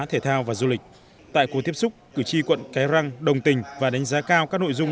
thể thao và du lịch tại cuộc tiếp xúc cử tri quận cái răng đồng tình và đánh giá cao các nội dung